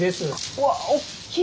うわおっきい。